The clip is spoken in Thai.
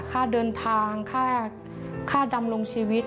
ค่าเดินทางค่าดำรงชีวิต